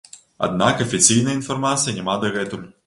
Аднак афіцыйнай інфармацыі няма дагэтуль.